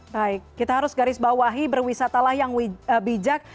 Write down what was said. baik kita harus garis bawahi berwisata lah yang bijak